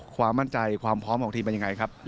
ความมั่นใจความพร้อมของทีมเป็นยังไงครับ